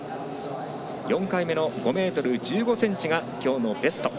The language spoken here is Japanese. ４回目の５ｍ１５ｃｍが今日のベスト。